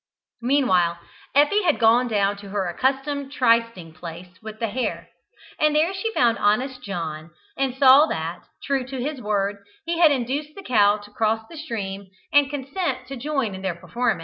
Meanwhile Effie had gone down to her accustomed trysting place with the hare, and there she found Honest John, and saw that, true to his word, he had induced the cow to cross the stream and consent to join in their performance.